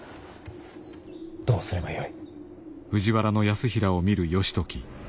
どうすればよい。